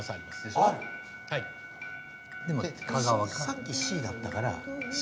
さっきＣだったからＣはない。